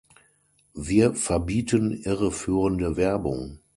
Wir verbieten irreführende Werbung.